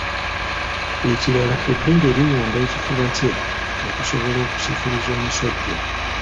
Ekirala ebbeere liwunda ekifuba kye okusobola okusikiriza omusajja.